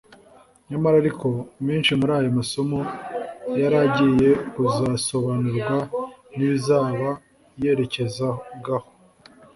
Nyamara ariko menshi muri ayo masomo yari agiye kuzasobanurwa n'ibizaba yerekezagaho.